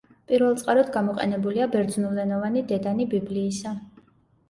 პირველწყაროდ გამოყენებულია ბერძნულენოვანი დედანი ბიბლიისა.